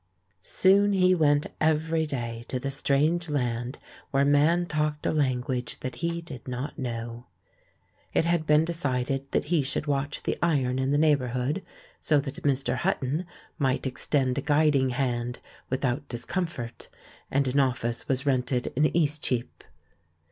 Soon he went every day to the strange land where man talked a language that he did not know. It had been decided that he should watch the iron in the neighbourhood, so that Mr. Hut ton might extend a guiding hand without discom fort, and an office was rented in Eastcheap.